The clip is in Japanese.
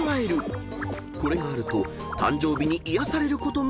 ［これがあると誕生日に癒やされること間違いなし］